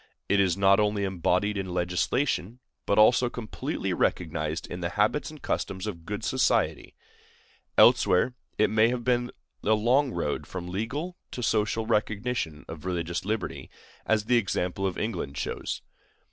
It is not only embodied in legislation, but also completely recognized in the habits and customs of good society. Elsewhere it may be a long road from legal to social recognition of religious liberty, as the example of England shows.